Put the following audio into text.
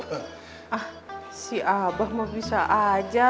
ah si abah mau bisa aja